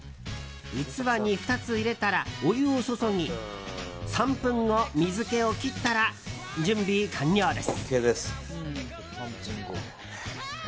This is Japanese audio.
器に２つ入れたらお湯を注ぎ３分後水気を切ったら準備完了です。